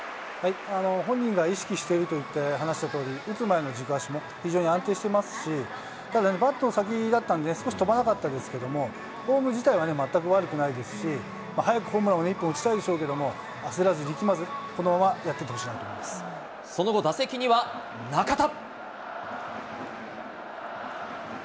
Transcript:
本人が意識しているといって話したとおり、打つ前の軸足も非常に安定してますし、ただね、バットの先だったんで、少し飛ばなかったですけども、フォーム自体は全く悪くなかったですし、早くホームランを１本打ちたいでしょうけど、焦らず、力まず、その後、打席には中田。